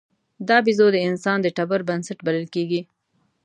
دا بیزو د انسان د ټبر بنسټ بلل کېږي.